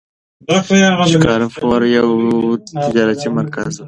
شکارپور یو تجارتي مرکز و.